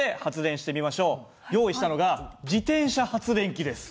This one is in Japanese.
用意したのが自転車発電機です。